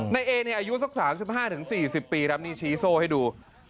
นายเอเนี่ยอายุสัก๓๕๔๐ปีครับนี่ชี้โซ่ให้ดู